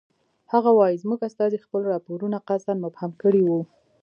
هغه وایي زموږ استازي خپل راپورونه قصداً مبهم کړی وو.